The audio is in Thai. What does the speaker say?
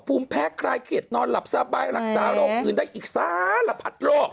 ภูมิแพ้คลายเครียดนอนหลับสบายรักษาโรคอื่นได้อีกสารพัดโรค